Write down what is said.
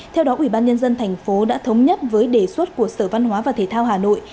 theo đó ủy ban nhân dân thành phố đã thống nhất với đề xuất của sở văn hóa và thể thao hà nội